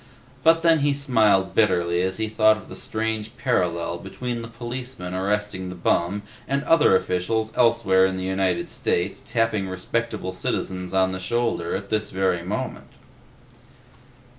But then he smiled bitterly as he thought of the strange parallel between the policemen arresting the bum and other officials, elsewhere in the United States, tapping respectable citizens on the shoulder at this very moment.